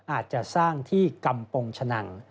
อาจจะสร้างที่กำปงชะนัง